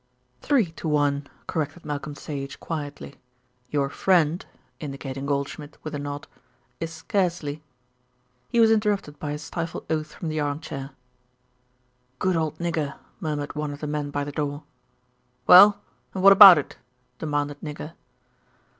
"Three to one," corrected Malcolm Sage quietly. "Your friend," indicating Goldschmidt, with a nod, "is scarcely " He was interrupted by a stifled oath from the armchair. "Good old Nigger!" murmured one of the men by the door. "Well, and what about it?" demanded Nigger.